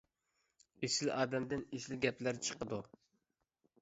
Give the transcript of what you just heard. ئېسىل ئادەمدىن ئېسىل گەپلەر چىقىدۇ.